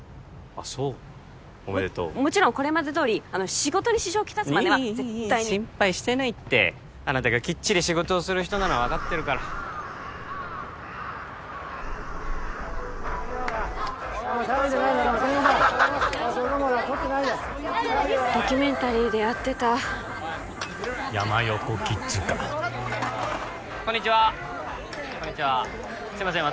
あっそうおめでとうもちろんこれまでどおり仕事に支障をきたすまねは絶対にいいいいいいいい心配してないってあなたがきっちり仕事をする人なのは分かってるからドキュメンタリーでやってた山ヨコキッズかこんにちはこんにちはすみません